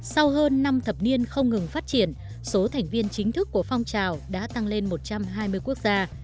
sau hơn năm thập niên không ngừng phát triển số thành viên chính thức của phong trào đã tăng lên một trăm hai mươi quốc gia